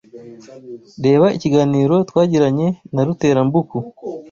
Reba ikiganiro twagiranye na Ruterambuku